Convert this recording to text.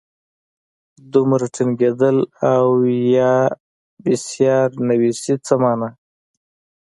دومره ټینګېدل او یا بېسیار نویسي څه مانا.